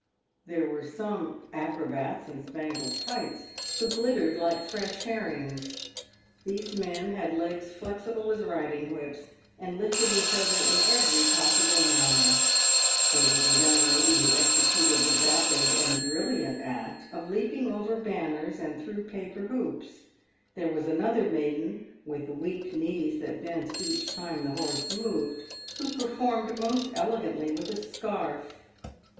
There were some acrobats in spangled tights, who glittered like fresh herrings. These men had legs flexible as riding whips, and lifted each other in every possible manner ; there was a yonng lady who executed the rapid and brilliant act of leaping over banners and through paper hoops ; there was another maiden (with weak knees that bent each time the horse moved), who performed most elegantly with a scarf.